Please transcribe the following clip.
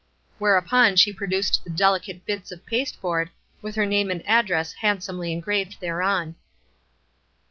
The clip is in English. Whereupon she produced the delicate bits of pasteboard, with her name and address handsomely engraved thereon.